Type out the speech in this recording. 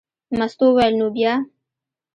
مستو وویل: نو بیا.